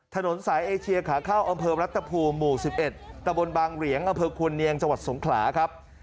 ถนนสายเอเชียขาเข้าอำเภอรัฐภูมิหมู่๑๑ตะบนบางเหรียงอำเภอควรเนียงจังหวัดสงขลาครับ